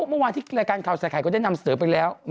เมื่อวานที่รายการข่าวใส่ไข่ก็ได้นำเสนอไปแล้ว